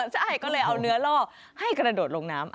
ใช่ก็เลยเอาเนื้อล่อให้กระโดดลงน้ำ